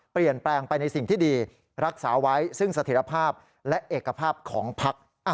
เปลี่ยนแปลงไปในสิ่งที่ดีรักษาไว้ซึ่งเสถียรภาพและเอกภาพของพัก